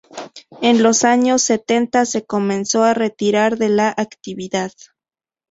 En los años setenta se comenzó a retirar de la actividad.